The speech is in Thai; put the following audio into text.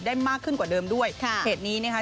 ได้มากขึ้นกว่าเดิมด้วยค่ะเหตุนี้นะคะ